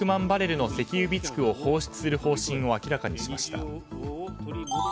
バレルの石油備蓄を放出する方針を明らかにしました。